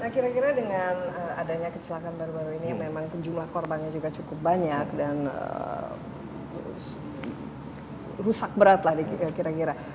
kira kira dengan adanya kecelakaan baru baru ini memang jumlah korbannya juga cukup banyak dan rusak berat lah kira kira